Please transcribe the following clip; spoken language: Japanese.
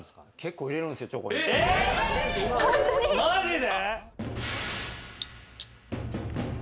マジで！？